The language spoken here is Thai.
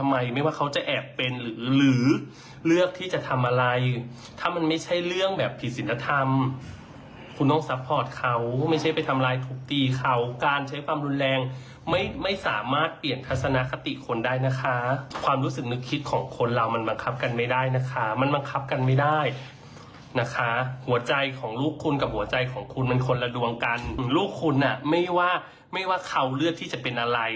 ไม่ว่าเขาเลือดที่จะเป็นอะไร